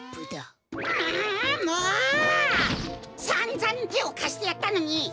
さんざんてをかしてやったのに！